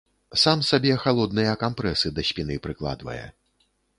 Сам сабе халодныя кампрэсы да спіны прыкладвае.